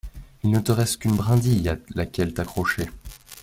Il ne te reste qu’une brindille à laquelle t’accrocher.